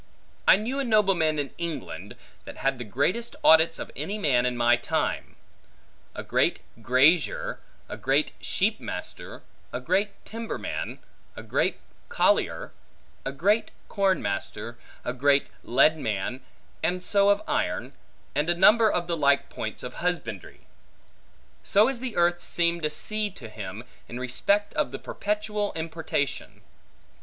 I knew a nobleman in England, that had the greatest audits of any man in my time; a great grazier, a great sheep master, a great timber man, a great collier, a great corn master, a great lead man, and so of iron, and a number of the like points of husbandry. So as the earth seemed a sea to him, in respect of the perpetual importation.